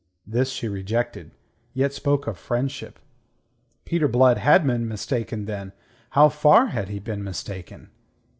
This she rejected, yet spoke of friendship. Peter Blood had been mistaken, then. How far had he been mistaken?